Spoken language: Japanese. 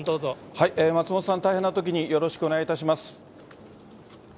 松本さん、大変なときによろお願いします。